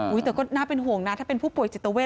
แต่ก็น่าเป็นห่วงนะถ้าเป็นผู้ป่วยจิตเวท